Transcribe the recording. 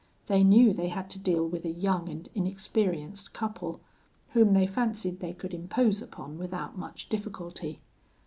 They knew they had to deal with a young and inexperienced couple, whom they fancied they could impose upon without much difficulty.